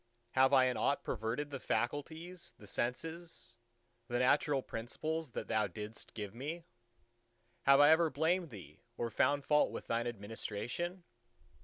Have I in aught perverted the faculties, the senses, the natural principles that Thou didst give me? Have I ever blamed Thee or found fault with Thine administration?